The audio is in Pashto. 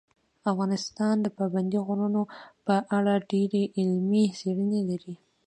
افغانستان د پابندي غرونو په اړه ډېرې علمي څېړنې لري.